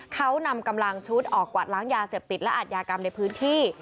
เขานำกำลังชุดออกกวาดล้างยาเสพติดและอาทยากรรมในพื้นที่